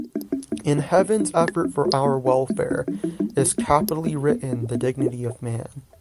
In heaven's effort for our welfare, is capitally written the dignity of man.